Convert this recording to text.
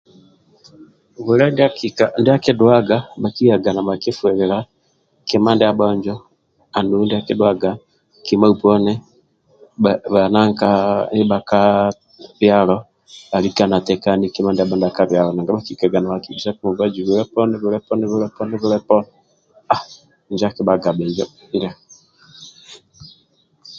Bwile ndia akidhuwaga bhakiyaga nibhakifuililia kima ndiabho njo andulu ndia akidhuwaga kima uponi bhananka ndibha ka kyalo bhalika nibhatekani kima ndiabho ndia ka kyalo bhakilikaga nibhakibisaku mibaji bwile poni bwile poni bwile poni injo akibhaga bhinjo.